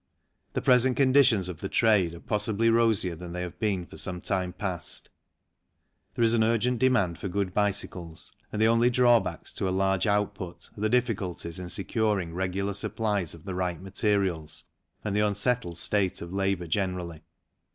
The present conditions of the trade are possibly rosier than they have been for some time past. There is an urgent demand for good bicycles and the only drawbacks to a large output are the difficulties in securing regular supplies of the right materials, and the unsettled state of labour generally.